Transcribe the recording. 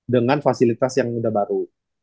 dengan fasilitas yang sudah baru